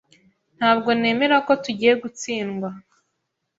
Ntabwo nemera ko tugiye gutsindwa.